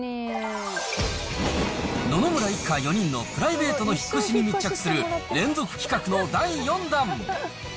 野々村一家４人のプライベートの引っ越しに密着する連続企画の第４弾。